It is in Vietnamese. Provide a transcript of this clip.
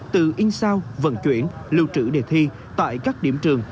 từ in sao vận chuyển lưu trữ đề thi tại các điểm trường